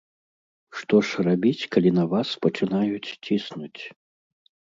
Што ж рабіць, калі на вас пачынаюць ціснуць?